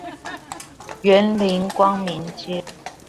員林光明街